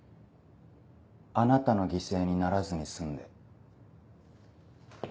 あなたの犠牲にならずに済んで。